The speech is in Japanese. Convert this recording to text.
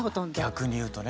逆に言うとね。